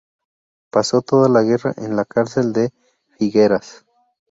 Pasó toda la guerra en la cárcel de Figueras.